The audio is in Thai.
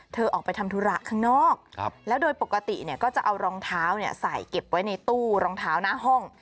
เธอออกไปทำธุระข้างนอกแล้วโดยปกติก็จะเอารองเท้าใส่เก็บไว้ในตู้รองเท้าหน้าห้อง